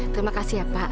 terima kasih pak